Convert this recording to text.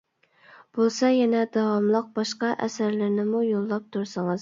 بولسا يەنە داۋاملىق باشقا ئەسەرلىرىنىمۇ يوللاپ تۇرسىڭىز.